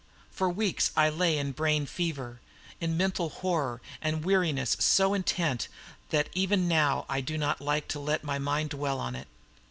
For weeks I lay in brain fever, in mental horror and weariness so intent, that even now I do not like to let my mind dwell on it.